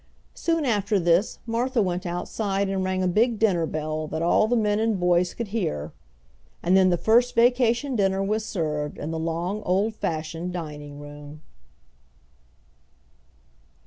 Soon after this Martha went outside and rang a big dinner bell that all the men and boys could hear. And then the first vacation dinner was served in the long old fashioned dining room.